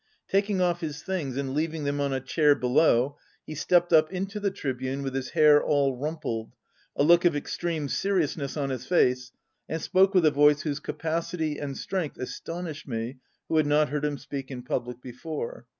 Taking off his things and leaving them on a chair below, he stepped up into the tribune with his hair all rumpled, a look of ex treme seriousness on his face, and spoke with a voice whose capacity and strength astonished me who had not heard him speak in public before.